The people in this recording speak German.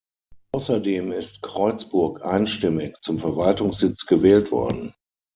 Außerdem ist Creuzburg einstimmig zum Verwaltungssitz gewählt worden.